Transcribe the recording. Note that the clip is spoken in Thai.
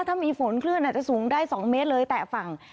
ถ้ามีฝนคลื่นอาจจะสูงได้๒เมตรเลยแต่ฝั่ง